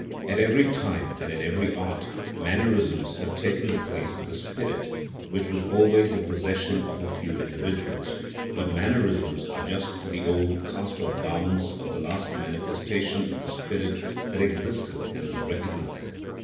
At every time and in every art, mannerisms have taken the place of the spirit, which was always the possession of a few individuals, but mannerisms are just the old cast off garments of the last manifestation of the spirit that existed and was recognised.